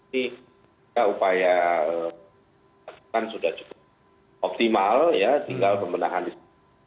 kita upaya kan sudah cukup optimal ya tinggal kebenahan disitu